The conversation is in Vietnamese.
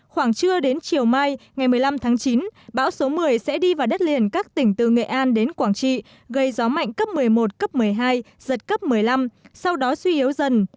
khoảng trưa đến chiều mai ngày một mươi năm tháng chín bão số một mươi sẽ đi vào đất liền các tỉnh từ nghệ an đến quảng trị gây gió mạnh cấp một mươi một cấp một mươi hai giật cấp một mươi năm sau đó suy yếu dần